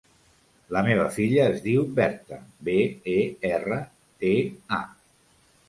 La meva filla es diu Berta: be, e, erra, te, a.